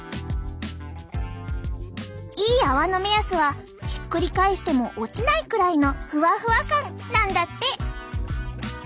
いい泡の目安はひっくり返しても落ちないくらいのふわふわ感なんだって。